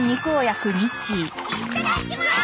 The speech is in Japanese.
いっただっきまーす！